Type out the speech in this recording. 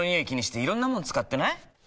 気にしていろんなもの使ってない？